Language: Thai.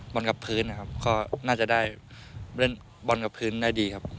กับพื้นนะครับก็น่าจะได้เล่นบอลกับพื้นได้ดีครับ